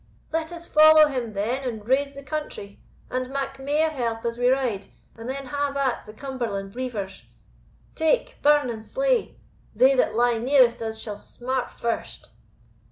"Let us follow him then, and raise the country, and mak mair help as we ride, and then have at the Cumberland reivers! Take, burn, and slay they that lie nearest us shall smart first."